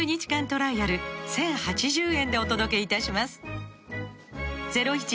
トライアル１０８０円でお届けいたします